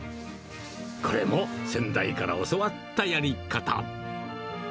これも先代から教わったやり方。